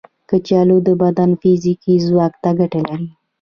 کچالو د بدن فزیکي ځواک ته ګټه لري.